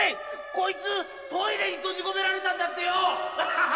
こいつトイレに閉じ込められたんだってよ！